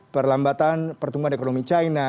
perlambatan pertumbuhan ekonomi china